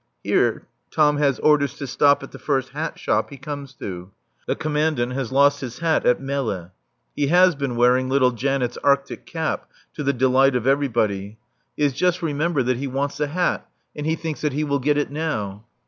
Here Tom has orders to stop at the first hat shop he comes to. The Commandant has lost his hat at Melle (he has been wearing little Janet's Arctic cap, to the delight of everybody). He has just remembered that he wants a hat and he thinks that he will get it now.